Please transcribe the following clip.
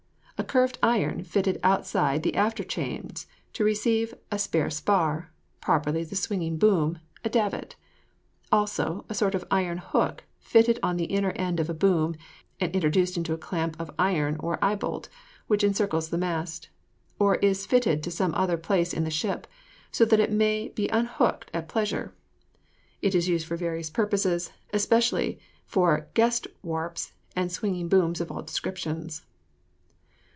A curved iron, fitted outside the after chains to receive a spare spar, properly the swinging boom, a davit. Also, a sort of iron hook fitted on the inner end of a boom, and introduced into a clamp of iron or eye bolt, which encircles the mast; or is fitted to some other place in the ship, so that it may be unhooked at pleasure. It is used for various purposes, especially for guest warps and swinging booms of all descriptions.